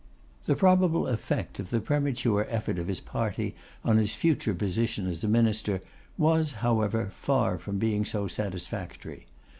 The probable effect of the premature effort of his party on his future position as a Minister was, however, far from being so satisfactory.